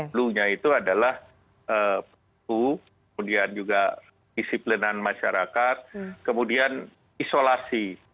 hulunya itu adalah penuh kemudian juga disiplinan masyarakat kemudian isolasi